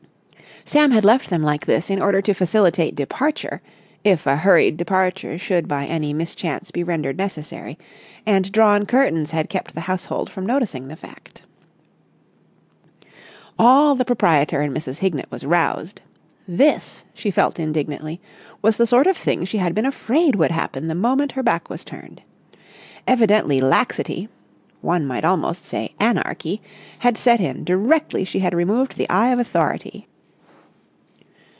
Sam had left them like this in order to facilitate departure, if a hurried departure should by any mischance be rendered necessary, and drawn curtains had kept the household from noticing the fact. All the proprietor in Mrs. Hignett was roused. This, she felt indignantly, was the sort of thing she had been afraid would happen the moment her back was turned. Evidently laxity—one might almost say anarchy—had set in directly she had removed the eye of authority.